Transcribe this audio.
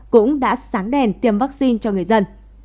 cũng đã sáng đèn tiêm vaccine cho người dân